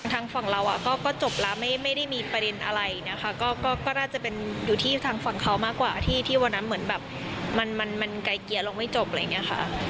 ทางฝั่งเราก็จบแล้วไม่ได้มีประเด็นอะไรนะคะก็น่าจะเป็นอยู่ที่ทางฝั่งเขามากกว่าที่วันนั้นเหมือนแบบมันไกลเกลียเราไม่จบอะไรอย่างนี้ค่ะ